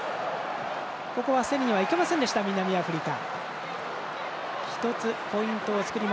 ここは攻めにはいけませんでした南アフリカ。